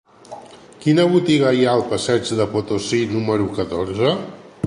Quina botiga hi ha al passeig de Potosí número catorze?